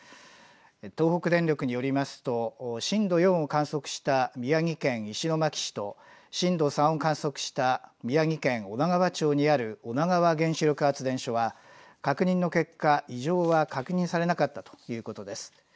東北電力によりますと、震度４を観測した宮城県石巻市と、震度３を観測した宮城県女川町にある女川原子力発電所は、確認の結果、異常は確認されなかったということです。